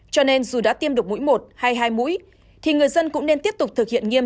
cho nên dù đã tiêm được mũi một hay hai mũi thì người dân cũng nên tiếp tục thực hiện nghiêm